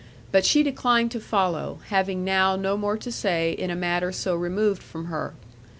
But she declined to follow, having now no more to say in a matter so removed from her.